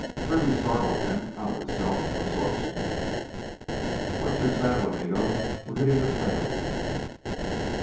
Kirby startled him out of his self absorption. "Butt your saddle, amigo! We're hittin' the trail again."